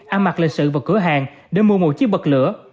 am mặt lịch sự vào cửa hàng để mua một chiếc bật lửa